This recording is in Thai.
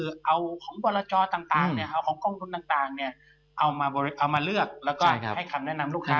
คือเอาของบรจอต่างของกองทุนต่างเอามาเลือกแล้วก็ให้คำแนะนำลูกค้า